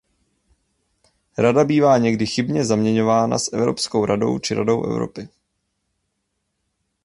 Rada bývá někdy chybně zaměňována s Evropskou radou či Radou Evropy.